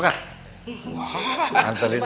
man shoes cantik banget